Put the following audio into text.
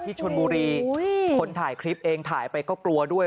ชนบุรีคนถ่ายคลิปเองถ่ายไปก็กลัวด้วย